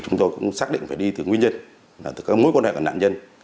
chúng tôi cũng xác định phải đi từ nguyên nhân từ mối quan hệ của nạn nhân